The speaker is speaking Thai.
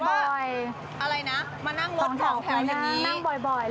อ๋อก็โตแล้วทำงานเก็บตังค์ได้แล้วสิ